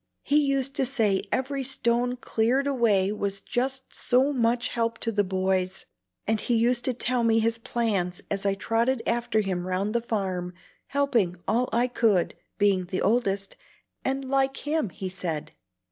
He used to say every stone cleared away was just so much help to the boys; and he used to tell me his plans as I trotted after him round the farm, helping all I could, being the oldest, and like him, he said."